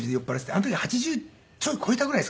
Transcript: あの時８０ちょっと超えたぐらいですかね。